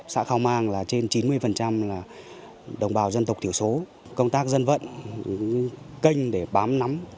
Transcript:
xã khao mang là trên chín mươi là đồng bào dân tộc thiểu số công tác dân vận kênh để bám nắm